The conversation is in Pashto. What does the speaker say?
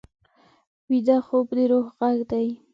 ویده خوب د روح غږ دی